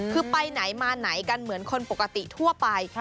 คือไปไหนมาไหนกันเหมือนคนปกติทั่วไป